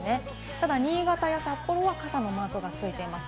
ただ新潟や札幌は傘のマークがついています。